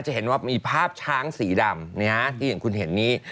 จะเห็นว่ามีภาพช้างสีดำนะฮะที่เห็นคุณเห็นนี้